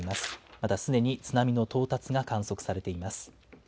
またすでに津波の到達が観測されています。